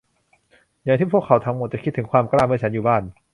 อย่างที่พวกเขาทั้งหมดจะคิดถึงความกล้าเมื่อฉันอยู่บ้าน